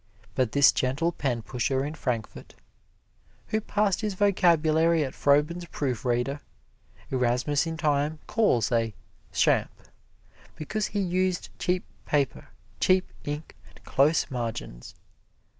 But this gentle pen pusher in Frankfort, who passed his vocabulary at Froben's proofreader, Erasmus in time calls a "schamp," because he used cheap paper, cheap ink and close margins.